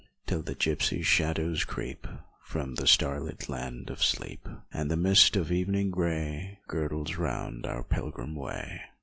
Till the gypsy shadows creep From the starlit land of sleep, And the mist of evening gray Girdles round our pilgrim way.